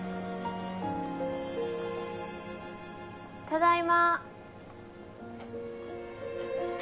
ただいま。